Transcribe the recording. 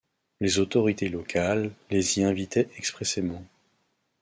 Les autorités locales les y invitaient expressément.